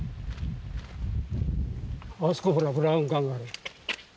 あそこほらブラウン管がある。